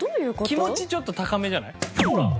気持ちちょっと高めじゃない？